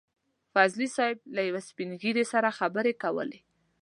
فضلي صیب له يو سپين ږيري سره خبرې کولې.